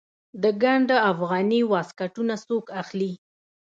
د ګنډ افغاني واسکټونه څوک اخلي؟